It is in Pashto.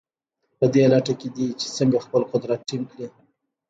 په دې لټه کې دي چې څنګه خپل قدرت ټینګ کړي.